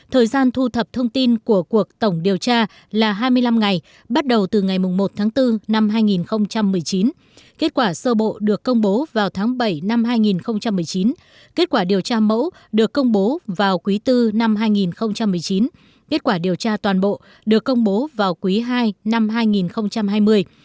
thời gian thu thập thông tin của cuộc tổng điều tra là hai mươi năm ngày bắt đầu từ ngày một bốn hai nghìn một mươi chín kết quả sơ bộ được công bố vào tháng bảy hai nghìn một mươi chín kết quả điều tra mẫu được công bố vào quý bốn hai nghìn một mươi chín kết quả điều tra toàn bộ được công bố vào quý hai hai nghìn hai mươi các báo cáo phân tích chuyên đề công bố vào quý bốn hai nghìn hai mươi